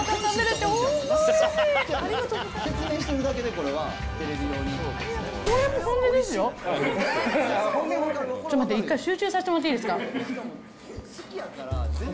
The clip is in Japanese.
ちょっと待って、１回集中させてもらっていいですか？